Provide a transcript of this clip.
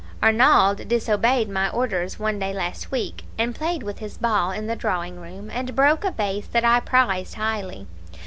"Arnauld disobeyed my orders one day last week, and played with his ball in the drawing room, and broke a vase that I prized highly.